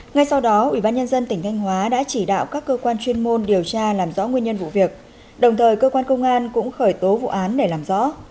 ngay sau đó ubnd tỉnh thanh hóa đã chỉ đạo các cơ quan chuyên môn điều tra làm rõ nguyên nhân vụ việc đồng thời cơ quan công an cũng khởi tố vụ án để làm rõ